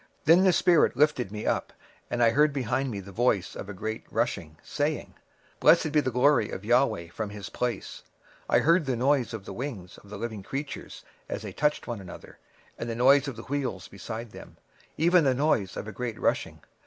26:003:012 Then the spirit took me up, and I heard behind me a voice of a great rushing, saying, Blessed be the glory of the LORD from his place. 26:003:013 I heard also the noise of the wings of the living creatures that touched one another, and the noise of the wheels over against them, and a noise of a great rushing.